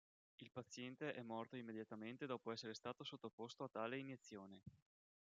Il paziente è morto immediatamente dopo essere stato sottoposto a tale iniezione.